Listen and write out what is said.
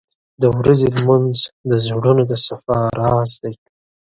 • د ورځې لمونځ د زړونو د صفا راز دی.